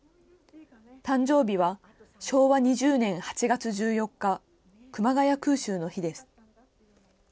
誕生日は昭和２０年８月１４日、熊谷空襲の日です。